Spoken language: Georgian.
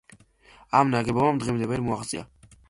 ამ ნაგებობამ დღემდე ვერ მოაღწია.